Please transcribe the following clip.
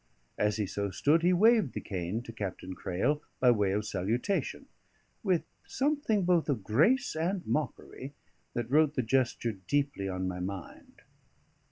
As he so stood, he waved the cane to Captain Crail by way of salutation, with something both of grace and mockery that wrote the gesture deeply on my mind.